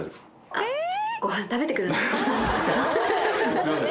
すいません。